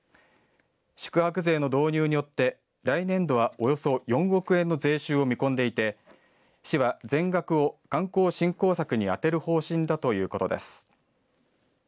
宿泊税の導入によって来年度はおよそ４億円の税収を見込んでいて市は全額を観光振興策に充てる方針だということです。